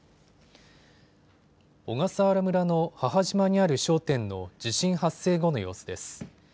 小笠原村の母島にある商店の地震発生後の様子です。